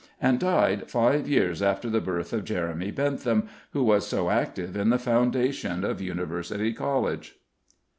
and died five years after the birth of Jeremy Bentham, who was so active in the foundation of University College.